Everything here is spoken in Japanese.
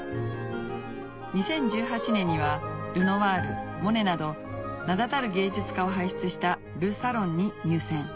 ２０１８年にはルノワールモネなど名だたる芸術家を輩出したル・サロンに入選